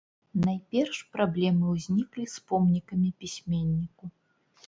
Найперш праблемы ўзніклі з помнікамі пісьменніку.